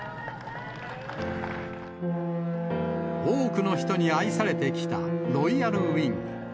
多くの人に愛されてきたロイヤルウイング。